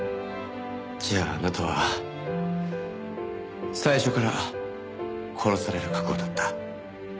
じゃああなたは最初から殺される覚悟だった。